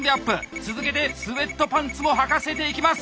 続けてスエットパンツもはかせていきます！